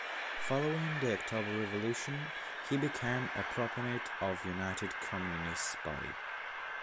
Following the October Revolution, he became a proponent of a united communist party.